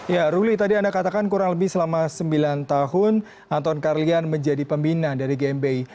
ya ruli tadi anda katakan kurang lebih selama sembilan tahun anton karlian menjadi pembina dari gmbi